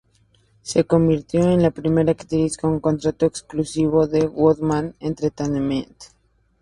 Se convirtió en la primera actriz con contrato exclusivo con Woodman Entertainment.